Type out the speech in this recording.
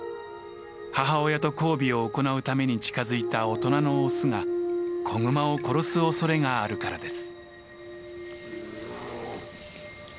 母親と交尾を行うために近づいた大人のオスが子グマを殺すおそれがあるからです。